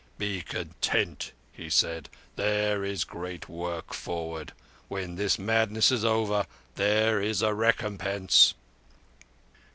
'Be content,' said he. 'There is great work forward. When this madness is over there is a recompense.